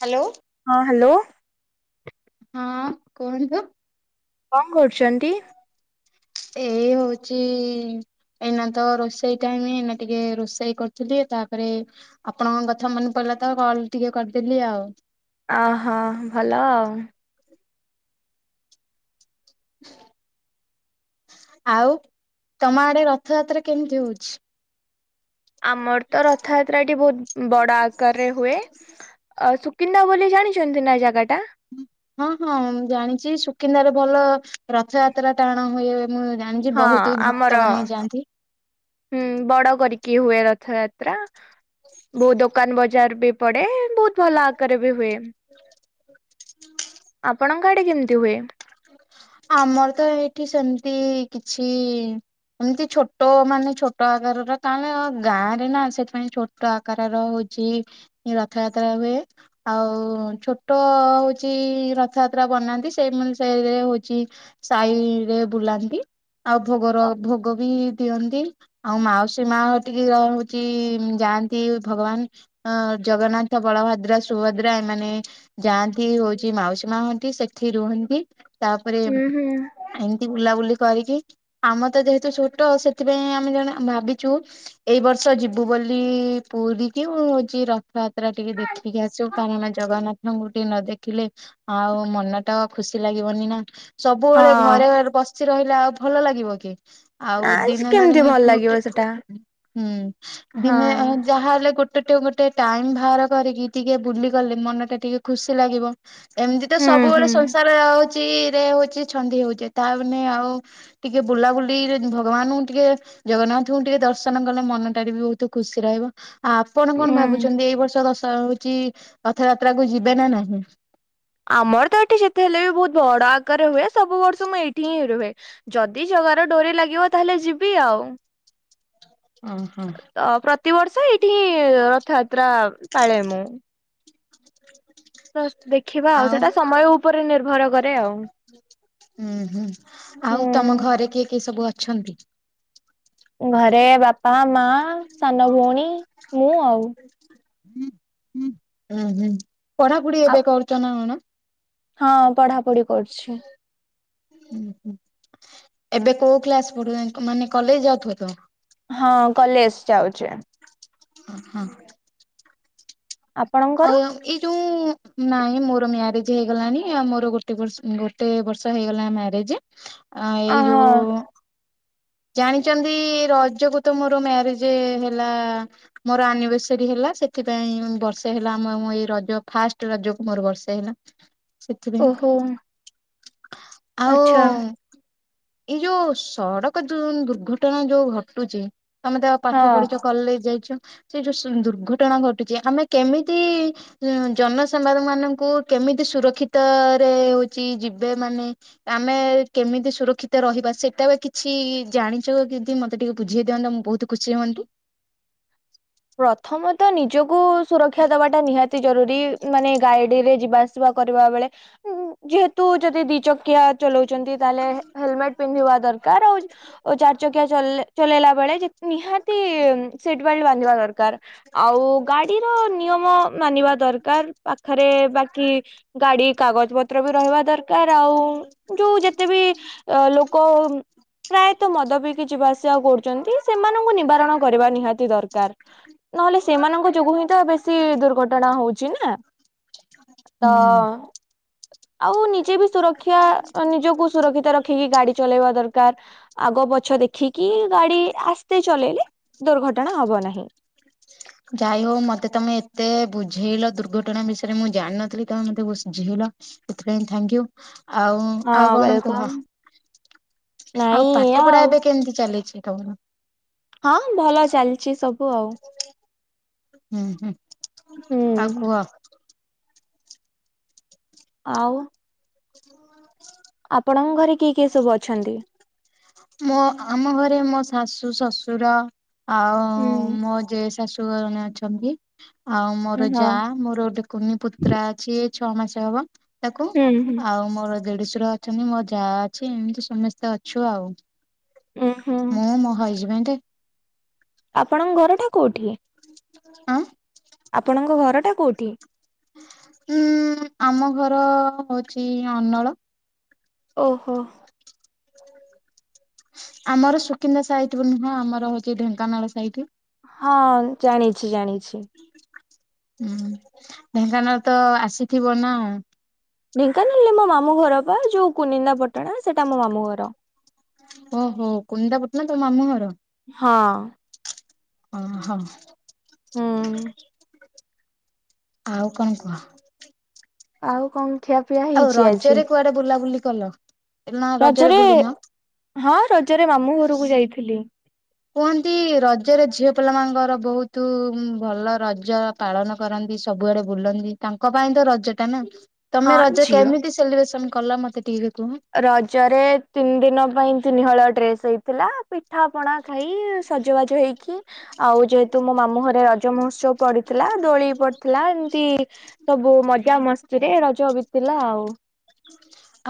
Hello. ହଁ hello. ହଁ କୁହନ୍ତୁ। କଣ କରୁଛନ୍ତି। ଏଇ ହଉଚି ଏଇନା ତ ରୋଷେଇ ଟାଇମ ଏନା ଟିକେ ରୋଷେଇ କରୁଥିଲେ ତାପରେ ଆପଣଙ୍କ କଥା ମନେ ପହିଲା ତ କଲ ଟିକେ କରିଦେଲି ଆଉ। ଅହୋ ଭଲ ଆଉ। ଆଉ ତମ ଆଡେ ରଥଯାତ୍ରା କେମିତି ହଉଛି। ଆମର ତ ରଥ ଏଠି ବହୁତ ବଡ ଆକାରରେ ହୁଏ ସୁକିନ୍ଦା ବୋଲି ଜାଣିଛନ୍ତି ନା ଜାଗା ଟା? ହଁ ହଁ ମୁଁ ଜାଣିଛି ସୁକିନ୍ଦାରେ ଭଲ ରଥଯାତ୍ରା ଟାଣ ହୁଏ ମୁଁ ଜା ଜାଣି ଯେ ହଁ ବହୁତ ଆମର ଭକ୍ତମାନେ ହେ ଯାଆନ୍ତି। ହୁଁ ବଡ କରିକି ହୁଏ ରଥଯାତ୍ରା। ବହୁତ ଦୋକାନ ବଜାର ବି ପଡେ ବହୁତ ଭଲ ଆକାରରେ ବି ହୁଏ। ଆପଣଙ୍କ ଆଡେ କେମିତି ହୁଏ? ଆମର ତ ଏଇଠି ସେମିତି କିଛି ଏମତି ଛୋଟ ମାନେ ଛୋଟ ଆଗର କଣ ଗାଁ ରେ ନା ସେଥିପାଇଁ ଛୋଟ ଆକାରର ହଉଛି ରଥଯାତ୍ରା ହୁଏ। ଆଉ ଛୋଟ ହଉଛି ରଥଯାତ୍ରା ବନାନ୍ତି ସେଇ ସେରେ ହଉଛି ସାହିରେ ବୁଲାନ୍ତି। ଆଉ ଭୋଗର ଭୋଗ ବି ଦିଅନ୍ତି। ଆଉ ମାଉସୀ ମା ଟିକେ ର ହଉଛି ଯାଆନ୍ତି ଭଗବାନ। ଅ ଜଗନ୍ନାଥ, ବଳଭଦ୍ର, ସୁଭଦ୍ରା ଏମାନେ ଯାଆନ୍ତି। ସେଠି ହଉଛି ମାଉସୀ ମା ହୁଅନ୍ତି ସେଠି ରୁହନ୍ତି ତାପରେ ହୁଁ ହୁଁ ଏମତି ବୁଲାବୁଲି କରିକି ଆମ ତ ଯେହେତୁ ଛୋଟ ସେଥିପାଇଁ ଆମେ ଜଣେ ଭାବିଛୁ ଏଇ ବର୍ଷ ଯିବୁ ବୋଲି ପୁରୀ କି ମୁଁ ହଉଛି ରଥଯାତ୍ରା ଟିକେ ଦେଖି। କି ଆସିବୁ କାରଣ ଜଗନ୍ନାଥଙ୍କୁ ଟିକେ ନ ଦେଖିଲେ ଆଉ ମନ ଟା ଖୁ ଲାଗିବନି ନା ହଁ ସବୁବେଳେ ଘରେ ଘରେ ବସି ରହିଲେ ଆଉ ଭଲ ଲାଗିବ କି? ନା ଆଉ ଦିନେ ନା କେମିତି ଦିନେ ଭଲ ଲାଗିବ ଗୋଟେ ସେଟା। ହୁଁ ହଁ ଦିନେ ଯାହା ହେଲେ ଗୋଟେ ଗୋଟେ ଟାଇମ ବାହାର କରିକି ଟିକେ ବୁଲି ଗଲେ ମନ ଟା ଟିକେ ଖୁସି ଲାଗିବ। ଏମିତି ତ ହୁଁ ହୁଁ ସବୁବେଳେ ସଂସାର ହଉଛି ରେ ହଉଛି ଛନ୍ଦି ହଉଛି ତା ମାନେ ଆଉ ଟିକେ ବୁଲାବୁଲିରେ ଭଗବାନଙ୍କୁ ଟିକେ ଜଗନ୍ନାଥଙ୍କୁ ଟିକେ ଦର୍ଶନ କଲେ ମନଟାରେ ବି ବହୁତ ଖୁସି ରହିବ। ଆପଣ କଣ ହୁଁ। ଭାବୁଛନ୍ତି ଏଇ ବର୍ଷ ଦଶ ହଉଛି ରଥଯାତ୍ରା କୁ ଯିବେ ନା ନାହିଁ? ଆମର ତ ଏଠି ଯେତେ ହେଲେ ବି ବହୁତ ବଡ ଆକାରରେ ହୁଏ ସବୁ ବର୍ଷ ମୁଁ ଏଇଠି ହିଁ ରୁହେ। ଯଦି ଜଗାର ଡୋରି ଲାଗିବ ତାହେଲେ ଯିବି ଆଉ। ଅ ହଁ। ଅ ପ୍ରତିବର୍ଷ ଏଇଠି ହିଁ ରଥଯାତ୍ରା ପାଳେ ମୁଁ। ତ ଦେଖିବା ଆଉ ସେଟା ସମୟ ଉପରେ ନିର୍ଭର କ ହୁଁ ହୁଁ ହୁଁ ଆଉ ତମ ଘରେ କିଏ କିଏ ସବୁ ଅଛନ୍ତି? ଘରେ ବାପା, ମା, ସାନ ଭଉଣୀ, ମୁଁ ଆଉ। ହୁଁ ହୁଁ ପଢ଼ା ପଢ଼ି ଆଉ ଏବେ କରୁଛ ନା କଣ? ହଁ ପଢା଼ ପଢି଼ କରୁଛି। ହଁ ଏବେ କୋଉ କ୍ଲାସ ପଢୁ ମାନେ କଲେଜ ଯାଉଥିବ ତ ହଁ କଲେଜ ଯାଉଛି। ହଁ। ଆପଣଙ୍କର? [unintelligible] ଏଇ ଯୋଉ ନାଇଁ ମୋର ମ୍ୟାରେଜ ହେଇଗଲାଣି ଆଉ ମୋର ଗୋଟେ ବର୍ଷ ଗୋ-ଗୋଟେ ବର୍ଷ ହେଇଗଲା ମ୍ୟାରେଜ। ଏଇ ଅହ ଯୋଉ ଜାଣିଛନ୍ତି ରଜକୁ ତ ମୋର ମ୍ୟାରେଜ ହେଲା। ମୋର ଆନିଭର୍ସରୀ ହେଲା ସେଥିପାଇଁ ବର୍ଷେ ହେଲା ଆମ ଏଇ ରଜ ଫାଷ୍ଟ ରଜକୁ ମୋର ବର୍ଷେ ହେଲା। ସେଥିପାଇଁ ଓହୋ। ଆଚ୍ଛା। ଆଉ ଏଇ ଯୋଉ ସଡକ ଯୋଉ ଦୁର୍ଘଟଣା ଯୋଉ ଘଟୁଛି ତମେ ତ ପାଠ ହଁ। ପଢିଛ କଲେଜ ଯାଇଛ ସେଇ ଯୋଉ ଦୁର୍ଘଟଣା ଘଟୁଛି ଆମେ କେମିତି ହଁ ଜନ ସେମ୍ବାର ମାନଙ୍କୁ କେମିତି ସୁରକ୍ଷିତ ରେ ହୋଉଛି ଯିବେ ମାନେ ଆମେ କେମିତି ସୁରକ୍ଷିତ ରହିବା ସେଟା ବେ କି ଛି ଜାଣିଛୁ କି ଦି ମୋତେ ଟିକେ ବୁଝେଇ ଦିଅନ୍ତ ମୁଁ ବୋହୁତ ଖୁସି ହୁଅନ୍ତି। ପ୍ରଥମତଃ ନିଜକୁ ସୁରକ୍ଷା ଦେବାଟା ନିହାତି ଜରୁରୀ ମାନେ ଗାଇଡିରେ ଯିବା ଆସିବା କରିବା ବେଳେ। ଉଁ ଯେହେତୁ ଯଦି ଦି ଚକିଆ ଚଲଉଛନ୍ତି। ତାହେଲେ ହେ-ହେଲମେଟ ପିନ୍ଧିବା ଦରକାର ଆଉ ଆଉ ଚାରି ଚକିଆ ଚଳେଇଲେ-ଚଲେଇଲା ବେଳେ ଯେ ନିହାତି ଉଁମ୍ ସିଟବେଲ୍ଟ ବାନ୍ଧିବା ଦ ଦରକାର୍ ଆଉ ଗାଡ଼ିର ନିୟମ ମାନିବା ଦରକାର ପାଖରେ ବାକି ଗାଡ଼ି କାଗଜ ପ ତ୍ର ବି ରହିବା ଦରକାର ଆଉ ଯୋଉ ଯେତେ ବି ଆ ଲୋକ ପ୍ରାୟତଃ ମଦ ପିଇକି ଯିବା ଆସିବା କରୁଛନ୍ତି ସେମାନଙ୍କୁ ନିବାରଣ କରିବା ନିହାତି ଦରକାର। ନହେଲେ ସେମାନଙ୍କ ଯୋଗୁ ହିଁ ତ ବେଶୀ ଦୁର୍ଘଟଣା ହଉଛି ନା। ତ ହୁଁ। ଆଉ ନିଜେ ବି ସୁରକ୍ଷା ଅ ନିଜକୁ ସୁରକ୍ଷିତ ରଖିକି ଗାଡ଼ି ଚଲେଇବା ଦରକାର। ଆଗ ପଛ ଦେଖିକି ଗାଡ଼ି ଆସ୍ତେ ଚଲେଇଲେ ଦୁର୍ଘଟଣା ହବ ନାହିଁ। ଯାଇ ହଉ ମତେ ତମେ ଏତେ ବୁଝେଇଲ ଦୁର୍ଘଟଣା ବିଷୟରେ ମୁଁ ଜାଣିନଥିଲି ତମେ ମତେ ବୁସ୍ ଝେଇଲ। ଏଥିପାଇଁ ଥାଙ୍କ୍ ୟୁ ଆଉ ଆଉ ହଁ କଣ କୁହ? ୱେଲକମ୍ ଆଉ ନାଇଁ ଏଇଆ ପାଠ ପଢ଼ା ଆଉ ଏବେ କେମିତି ଚାଲିଚି ତମର? ହଁ ଭଲ ଚାଲିଚି ସବୁ ଆଉ। ଉଁ ହୁଁ ଆଉ ହୁଁ କୁହ? ଆଉ [inaudible] ଆପଣଙ୍କ ଘରେ କିଏ କିଏ ସବୁ ଅଛନ୍ତି? ମୋ ଆମ ଘରେ ମୋ ଶାଶୁ ଶଶୁର ଆଉ ହୁଁ ମୋ ଯେ ଶାଶୁ ଜଣେ ଅଛନ୍ତି ଆଉ ମୋର ହଁ ଯାଆ ମୋର ଗୋଟେ କୁନି ପୁତ୍ରା ଅଛି ଛଅ ମାସ ହବ ତାକୁ ହୁଁ ହୁଁ। ଆଉ ମୋର ଦେଢ଼ୁଶୁର ଅଛନ୍ତି ମୋ ଯା ଅଛି ଏମିତି ସମସ୍ତେ ଅଛୁ ଆଉ। ଉୁଁ ହୁଁ ମୁଁ ମୋ ହଇଜ୍ ବେଣ୍ଟ୍। ଆପଣଙ୍କ ଘରଟା କୋଉଠି? ଆଁ? ଆପଣଙ୍କ ଘରଟା କେଉଁଠି? ଉଁ ଆମ ଘର ହୋଉଚି ଅନଳ। ଓହୋ। ଆମର ସୁକିନ୍ଦା ସାଇଟ୍ ବ ନୁହଁ ଆମର ହଉଛି ଢେଙ୍କାନାଳ ସାଇଟି। ହଁ ଜାଣିଛି ଜାଣିଛି। ହୁଁ ଢେଙ୍କାନାଳ ତ ଆସିଥିବ ନା? ଢେଙ୍କାନାଳରେ ମୋ ମାମୁଁ ଘର ପା ଯୋଉ କୁନିନ୍ଦା ପାଟଣା ସେଇଟା ମୋ ମାମୁଁ ଘର। ଓହୋ କୁନିନ୍ଦା ପାଟଣା ତମ ମାମୁଁ ଘର। ହଁ। ଅ ହ। ହୁଁ। ଆଉ କଣ କୁହ? ଆଉ କଣ ଖିଆପିଆ ଆଉ ହେଇଛି ଆଜି? ରଜରେ କୁଆଡେ ବୁଲାବୁଲି କଲ? ନା ରଜରେ ବୁଲିନ ହଁ ରଜରେ ମାମୁଁ ଘରକୁ ଯାଇଥିଲି। କୁହନ୍ତି ରଜରେ ଝିଅ ପିଲା ମାନଙ୍କର ବହୁତୁ ଭଲ ରଜ ପାଳନ କରନ୍ତି ସବୁଆଡ଼େ ବୁଲନ୍ତି ତାଙ୍କ ପାଇଁ ତ ରଜ ଟା ନା। ହଁ ତମେ ରଜ ଝିଅ। କେମିତି ସେଲିବ୍ରେସନ କଲ ମତେ ଟିକେ କୁହ? ରଜରେ ତିନି ଦିନ ପାଇଁ ତିନିହଳ ଡ୍ରେସ୍ ହେଇଥିଲା ପିଠା ପଣା ଖାଇ ସଜବାଜ ହେଇକି ଆଉ ଯେହେତୁ ମୋ ମାମୁଁ ଘରେ ରଜ ମହୋତ୍ସବ ପଡିଥିଲା ଦୋଳି ପଡିଥିଲା ଏମତି ସବୁ ମଜା ମସ୍ତିରେ ରଜ ବିତିଲା ଆଉ।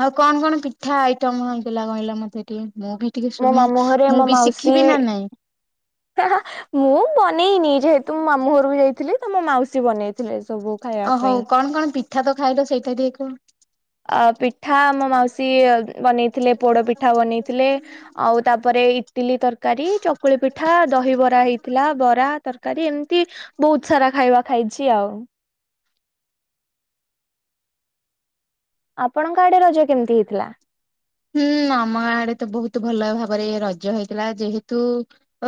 ଆଉ କଣ କଣ ପିଠା ଆଇଟମ ହେଇଥିଲା କହିଲ ମତେ ଟିକେ ମୁଁ ବି ଟିକେ ମୋ ଶୁଣେ ମାମୁଁ ଘରେ ମୁଁ ବି ଶିଖିବି ନା ନାଇଁ? ହାହା ମୁଁ ବନେଇନି ଯେହେତୁ ମାମୁଁ ଘରକୁ ଯାଇ ଥିଲି ତ ମୋ ମାଉସୀ ବନେଇଥିଲେ ଏସବୁ ଓ ଖାଇବା ହଉ ପାଇଁ। କଣ କଣ ପି ଠା ତ ଖାଇଲ ସେଇଟା ଟିକେ କୁହ? ଆ ପିଠା ମୋ ମାଉସୀ ଉମ୍ ବନେଇଥିଲେ ପୋଡ ପିଠା ବନେଇଥିଲେ ଆଉ ତାପରେ ଇଟିଲି ତରକାରୀ ଚକୁଳି ପିଠା ଦହି ବରା ହେଇଥିଲା ବରା ତର୍ କାରୀ ଏମତି ବୋହୁତ ସାରା ଖାଇବା ଖାଇଛି ଆଉ। ଆପଣଙ୍କ ଆଡେ ରଜ କେମିତି ହେଇଥିଲା? ହୁଁ ଆମ ଆଡେ ତ ବୋହୁତ ଭଲ ଭାବରେ ରଜ ହେଇଥିଲା ଯେହେତୁ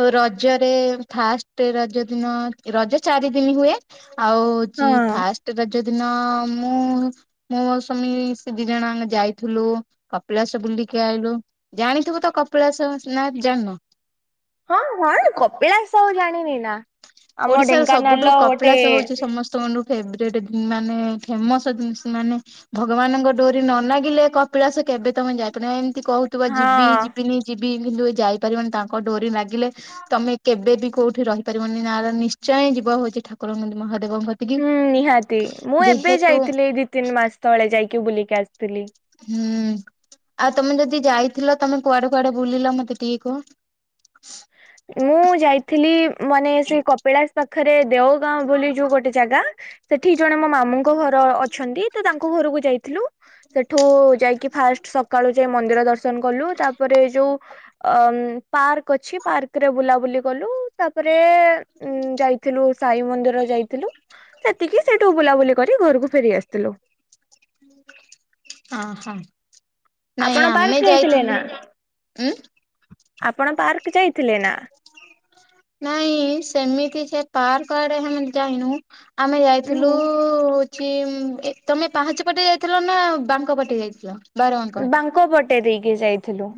ଓ ରଜରେ ଫାଷ୍ଟେ ରଜଦିନ ରଜ ଚାରିଦିନି ହୁଏ ଆଉ ଚି ଫାଷ୍ଟ୍ ରଜ ଦିନ ମୁଁ ମୁଁ ମୋ ସ୍ୱାମୀ ସେ ଦିଜଣ ଆମେ ଯାଇଥିଲୁ କପିଳାସ ବୁଲିକି ଆଇଲୁ ଜାଣିଥିବ ତ କପିଳାସ ନା ଜାଣନ? ହଁ ହଁ କପିଳାସ ମୁଁ ଜାଣିନି ନା ଆମ ଢେଙ୍କାନାଳର ଗୋଟେ ସୋନରୁ ଫେବରେଟ ଦି ମାନେ ଫେମସ ଦିନଷ ମାନେ ଭଗବାନଙ୍କ ଡୋରି ନ ନାଗିଲେ କପିଳାସ କେବେ ତମେ ଯାଇପାରନ ଏମିତି କୋହୁଥିବ ଯିବି ହଁ। ଯିବିନି ଯିବି କିନ୍ତୁ ଏଇ ଯାଇପାରିବନି ତାଙ୍କ ଡୋରି ଲାଗିଲେ ତମେ କେବେ ବି କୋଉଠି ରହିପାରିବନି ନାର ନିଶ୍ଚୟଁ ଯିବ ହୋଉଚି ଠାକୁରଙ୍କ କତି ମହାଦେବଙ୍କ କତି ହୁଁ ନିହାତି ମୁଁ ଏବେ ଯାଇଥିଲି ଏଇ ଦି ତିନି ମାସ ତଳେ ଯାଇକି ବୁଲିକି ଆସିଥିଲି। ହୁଁ ଆଉ ତମେ ଯଦି ଯାଇଥିଲ ତମେ କୁଆଡେ କୁଆଡେ ବୁଲିଲ ମତେ ଟିକେ କୁହ। ମୁଁ ଯାଇଥିଲି ମାନେ ଶ୍ରୀକପିଳାସ ପାଖରେ ଦେଓଗାଁ ବୋଲି ଯୋଉ ଗୋଟେ ଜାଗା ସେଠି ଜଣେ ମୋ ମାମୁଙ୍କ ଘର ଅଛନ୍ତି ତ ତାଙ୍କ ଘରକୁ ଯାଇଥିଲୁ। ସେଠୁ ଯାଇକି ଫାଷ୍ଟ ସକାଳୁ ଯାଇଁ ମନ୍ଦିର ଦର୍ଶ ର୍ଶନ୍ କଲୁ ତାପରେ ଯୋଉ ଅ ପାର୍କ ଅଛି ପାର୍କରେ ବୁଲାବୁଲି କଲୁ ତାପରେ ଉଁ ଯାଇଥିଲୁ ସାଇ ମନ୍ଦିର ଯାଇଥିଲୁ ସେତିକି ସେଇଠୁ ବୁଲାବୁଲି କରି ଘରକୁ ଫେରି ଆସିଥିଲୁ। ଅହ। ନାଇଁ ଆପଣ ପାର୍କ ଆମେ ଯାଇଥିଲେ ନା? ଯାଇଥିଲୁ ଉଁ ଆପଣ ପାର୍କ ଯାଇଥିଲେ ନା? ନାଇଁ ସେମିତି ସେ ପାର୍କ ଆଡେ ଆମେମାନେ ଯାଇନୁ। ଆମେ ଯାଇଥିଲୁ ଉହୁଁ। ହୋଉଚି କି ଉମ୍ ଏ ତମେ ପାହାଚି ପଟେ ଯାଇଥିଲ ନା ବାଙ୍କ ପଟେ ଯାଇଥିଲ? ବାରବାଙ୍କ ଉଁ ବାଙ୍କ ପଟେ ଦେଇକି ଯାଇଥିଲୁ।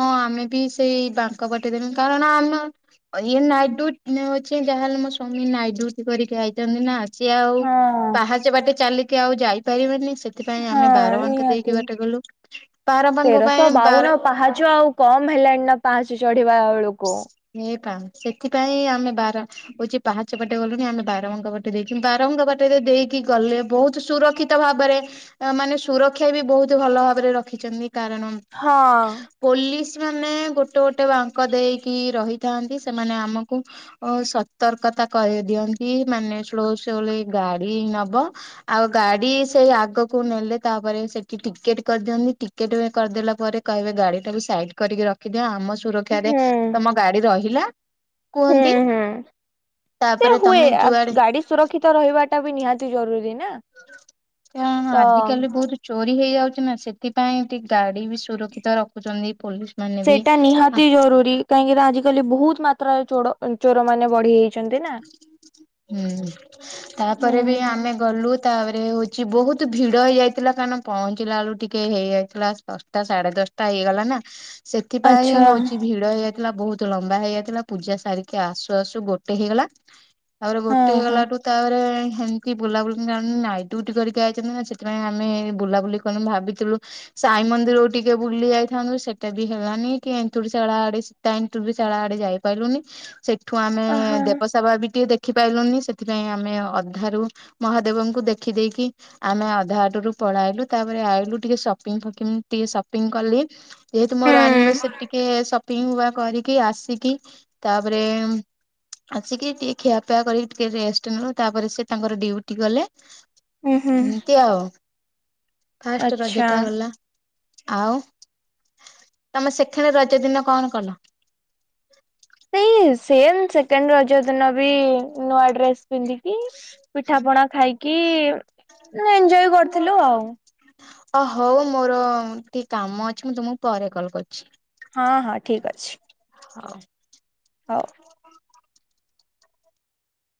ଅଁ ଆମେ ବି ସେଇ ବାଙ୍କ ପଟେ ଦେନୁ କାରଣ ଆମ ଅ ଇଏ ନାଇଟ୍ ଡ୍ୟୁଟି ଉଁ ହୋଉଚି ଯାହାହେଲେ ମୋ ସ୍ୱାମୀ ନାଇଟ୍ ଡ୍ୟୁଟି କରିକି ଆଇଚନ୍ତି ନା ସିଏ ଆଉ ହଁ। ପାହାଚ ବାଟେ ଚାଲିକି ଆଉ ଯାଇପାରିବେନି ସେ ସେଥିପାଇଁ ଆମେ ହଁ ବାର ଆଙ୍କ ଦେଇକି ବାଟେ ଗଲୁ ପାର ତେରଶ ବାଉନ ପାହାଚ ଆଉ କମ ହେଲାଣି ନା ପାହାଚ ଚଢିବା ବେଳକୁ। ହେପା ସେଥିପାଇଁ ଆମେ ବାରା ହୋଉଚି ପାହାଚପାଟେ ଗଲୁନି ଆମେ ବାରମଙ୍କ ପଟେ ଦେଇକି ବାରମଙ୍କ ପାଟେ ଯଦି ଦେଇକି ଗଲେ ବୋହୁତ ସୁରକ୍ଷି କ୍ଷିତ ଭାବରେ ଅ ମାନେ ସୁରକ୍ଷା ବି ବୋହୁତ ଭଲ ଭାବରେ ରଖିଚନ୍ତି କାରଣ ହଁ। ପୋଲିସ ମାନେ ଗୋଟେ ଗୋଟେ ବାଙ୍କ ଦେଇକି ରହିଥାନ୍ତି ସେମାନେ ଆମକୁ ଓ ସତର୍କତା କହିଦିଅନ୍ତି ମାନେ ସ୍ଲୋଳି ଗାଡି ନବ ଆଉ ଗାଡି ସେଇ ଆଗକୁ ନେଲେ ତାପରେ ସେଠି ଟିକେଟ କରିଦିଅନ୍ତିି େ ଟ କରିଦେଲା ପରେ କହିବେ ଗାଡି ଟା ବି ସାଇଡ କରିକି ରଖିଅ ଆମ ସୁରକ୍ଷା ହୁଁ ରେ ତମ ଗାଡି ରହିଲା ହୁଁ କୁହନ୍ତି ହୁଁ ସେ ତାପରେ ହୁଏ ତମେ ଯୁଆଡେ ଗାଡି ସୁରକ୍ଷିତ ରହିବାଟା ବି ନିହାତି ଜରୁରୀ ନା କ ତ ଆଜି କାଲି ବହୁତ ଚୋରି ହେଇଯାଉଛି ନା ସେଥିପାଇଁ ଟିକେ ଗାଡି ବି ସୁରକ୍ଷିତ ରଖୁଛନ୍ତି ପୋଲିସ ମାନେ ବି ସେଇଟା ଆ ନିହାତି ଜରୁରୀ କାହିଁକିନା ଆଜିକାଲି ବହୁତ ମାତ୍ରାରେ ଚୋର ଚୋର ମାନେ ବଢିଯାଇଛି ହୁଁ ତାପରେ ବି ହୁଁ ଆମେ ଗଲୁ ତାପରେ ହଉଛି ବହୁତ ଭିଡ ହେଇଯାଇଥିଲା କାରଣ ପହଞ୍ଚିଲା ବେଳୁ ଟିକେ ହେଇଯାଇଥିଲା ଦଶଟା ସାଢେ ଦଶଟା ହେଇଗଲା ନା ସେଥିପାଇଁ ଆଚ୍ଛା ହଉଛି ଭିଡ ହେଇଯାଇଥିଲା ବହୁତ ଲମ୍ବା ହେଇଯାଇଥିଲା ପୂଜା ସାରିକି ଆସୁ ଆସୁ ଗୋ ଗୋଟେ ହେଇଗଲା ତାପରେ ଗୋଟେ ହଁ ହଁ। ହେଇଗଲାଠୁ ତାପରେ ହେମତି ବୁଲାବୁଲି ଜାଣ ନାଇଟ୍ ଡିଉଟି କରିକି ଆାଇଛନ୍ତି ନା ସେଥିପାଇଁ ଆମେ ବୁଲାବୁଲି ଆମେ ଭାବିଥିଲୁ ସାଇ ମନ୍ଦିରକୁ ଟିକେ ବୁଲି ଯାଇଥାନ୍ତୁ ସେଟା ବି ହେଲାନି କି ଏନ୍ତୁଡ଼ି ଶାଳ ଆଡେ ତାନ୍ ତୁଡ଼ି ଶାଳ ଆଡେ ଯାଇପାରିଲୁନି ସେଠୁ ଆମେ ଆହା ଦେବସବା ବି ଟିକେ ଦେଖିପାରଲୁନି ସେଥିପାଇଁ ଆମେ ଅଧାରୁ ମହାଦେବଙ୍କୁ ଦେଖିଦେଇକି ଆମେ ଅଧା ଆଟରୁ ପଳେଆଇଲୁ ତାପରେ ଆଇଲୁ ଟିକେ ସପିଙ୍ଗ ଫକିମ ଟିକେ ସପିଙ୍ଗ କଲି ଯେହେତୁ ହୁଁ ମୋର ଆନିବର୍ସରୀ ଟିକେ ସପିଙ୍ଗ ବା କରିକି ଆସିକି ତାପରେ ଆସିକି ଟିକେ ଖିଆପିଆ କରିକି ଟିକେ ରେଷ୍ଟ ନେଲୁ ତାପରେ ସେ ତାଙ୍କର ଡିଉଟି ଗଲେ ଉହୁଁ ଏମିତି ଆଉ ଫାଷ୍ଟ ରଜଟା ଆଚ୍ଛା। ଗଲା ଆଉ ତମେ ସେଖେଣ୍ ରଜ ଦିନ କଣ କଲ ସେଇ ସେମ ସେକେଣ୍ଡ ରଜ ଦିନ ବି ନୂଆ ଡ୍ରେସ ପିନ୍ଧିକି ପିଠା ପଣା ଖାଇକି ନେ ଏଞ୍ଜୟ କରିଥିଲୁ ଆଉ ଅ ହଉ ମୋର ଟିକେ କାମ ଅଛି ମୁଁ ତୁମକୁ ପରେ କଲ କରୁଛି ହଁ ହଁ ଠିକ ଅଛି। ହଉ ହଉ